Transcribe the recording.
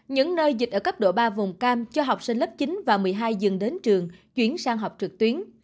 những nơi dịch ở cấp độ ba vùng cam cho học sinh lớp chín và một mươi hai dừng đến trường chuyển sang học trực tuyến